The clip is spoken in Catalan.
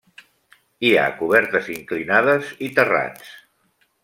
Hi ha cobertes inclinades i terrats.